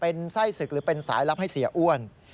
เป็นไส้ศึกหรือเป็นสายลับให้เสียอ้วน